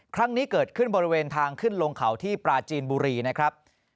ครั้งนี้เกิดขึ้นบริเวณทางขึ้นลงเขาที่ปราจีนบุรีนะครับ